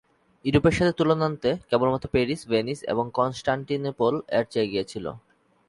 ইউরোপের সাথে তুলনান্তে কেবলমাত্র প্যারিস, ভেনিস এবং কনস্টান্টিনোপল এর চেয়ে এগিয়ে ছিল।